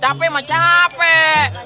capek mah capek